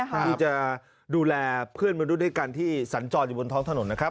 ที่จะดูแลเพื่อนมนุษย์ด้วยกันที่สัญจรอยู่บนท้องถนนนะครับ